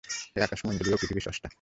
হে আকাশমণ্ডলী ও পৃথিবীর স্রষ্টা!